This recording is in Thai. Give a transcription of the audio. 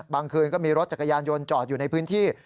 คืนก็มีรถจักรยานยนต์จอดอยู่ในพื้นที่